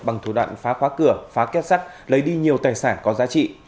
bằng thủ đoạn phá khóa cửa phá kết sắt lấy đi nhiều tài sản có giá trị